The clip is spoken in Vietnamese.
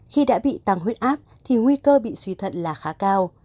khi đã bị tăng huyết áp thì nguy cơ bị suy thận là khá cao